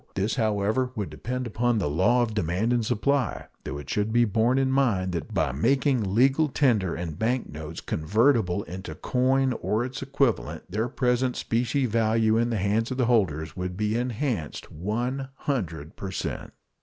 This, however, would depend upon the law of demand and supply, though it should be borne in mind that by making legal tender and bank notes convertible into coin or its equivalent their present specie value in the hands of their holders would be enhanced 100 per cent.